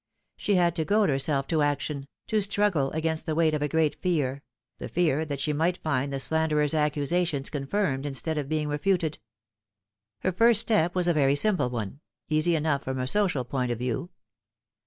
She had to goad herself to action, to struggle against the weight of a great fear the fear that ehe might find the slanderer's accusations confirmed instead of being refuted. Her first step was a very simple one, easy enough from a social point of view.